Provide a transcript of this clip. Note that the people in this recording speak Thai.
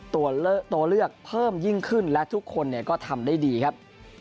ตัวเลือกเพิ่มยิ่งขึ้นและทุกคนก็ทำได้ดีครับ